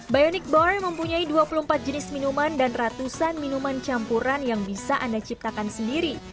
bionik bar mempunyai dua puluh empat jenis minuman dan ratusan minuman campuran yang bisa anda ciptakan sendiri